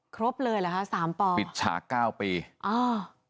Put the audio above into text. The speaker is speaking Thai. ครบเลยเหรอคะสามปอปิดฉากเก้าปีอ่า